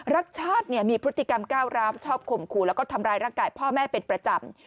รักชาติมีพฤติกรรมก้าวร้าวชอบข่มขู่แล้วก็ทำร้ายร่างกายพ่อแม่เป็นประจำ